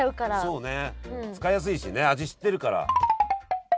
そうね使いやすいしね味知ってるから。